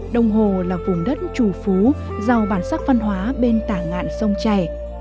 đông hồ là vùng đất trù phú giàu bản sắc văn hóa bên tảng ngạn sông chảy